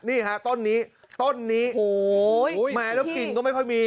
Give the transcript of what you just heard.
เนี่ยค่ะต้นนี้ต้นนี้แมด้วกิ่งก็ไม่ค่อยมี